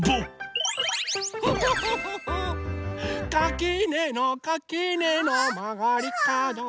「かきねのかきねのまがりかど」